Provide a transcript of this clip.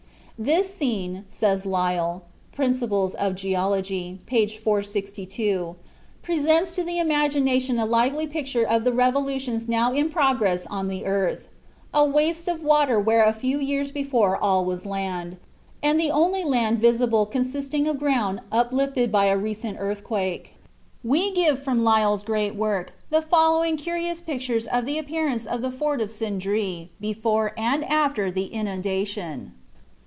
This scene," says Lyell ("Principles of Geology," p. 462), "presents to the imagination a lively picture of the revolutions now in progress on the earth a waste of waters where a few years before all was land, and the only land visible consisting of ground uplifted by a recent earthquake." We give from Lyell's great work the following curious pictures of the appearance of the Fort of Sindree before and after the inundation.